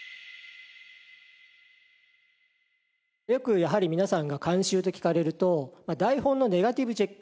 よくやはり皆さんが監修と聞かれると台本のネガティブチェック。